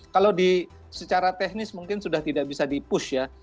kalau secara teknis mungkin sudah tidak bisa di push ya